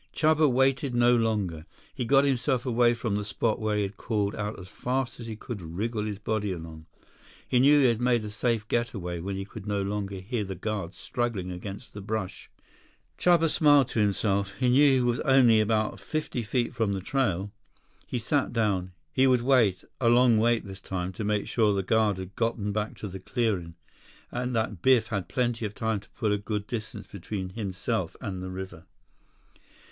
Chuba waited no longer. He got himself away from the spot where he had called out as fast as he could wriggle his body along. He knew he had made a safe getaway when he could no longer hear the guards struggling against the brush. Chuba smiled to himself. He knew he was only about fifty feet from the trail. He sat down. He would wait, a long wait this time, to make sure the guard had gotten back to the clearing, and that Biff had had plenty of time to put a good distance between himself and the river.